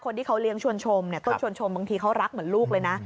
คนที่เขาเลี้ยงชวนชมเนี่ยต้นชวนชมบางทีเขารักเหมือนลูกเลยนะ